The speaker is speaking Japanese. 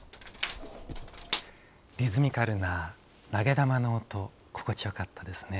リズミカルな投げ玉の音心地よかったですね。